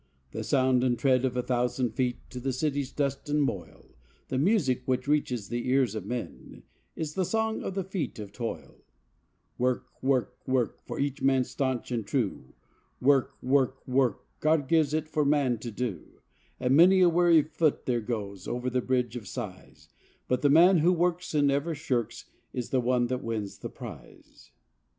The sound of the tread of a thousand feet To the City's dust and moil; The music which reaches the ears of men Is the song of the feet of toil— "Work, work, work, For each man staunch and true, Work, work, work, God gives it for man to do," And many a weary foot there goes Over the bridge of sighs, But the man who works and never shirks Is the one that wins the prize.